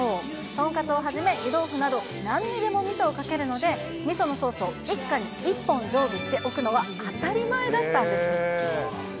とんかつをはじめ、湯豆腐など、なんにでもみそをかけるので、みそのソースを一家に１本常備しておくのは当たり前だったんです。